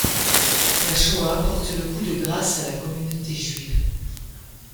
La Shoah porte le coup de grâce à la communauté juive.